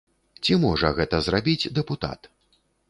Ці можа гэта зрабіць дэпутат?